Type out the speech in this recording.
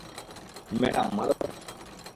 Madam, মাদক আসছে।